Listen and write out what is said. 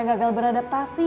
orang yang gagal beradaptasi